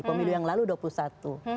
pemilu yang lalu doktor